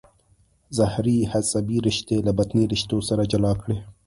ظهري عصبي رشتې له بطني رشتو سره جلا کړئ.